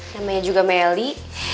namanya juga meli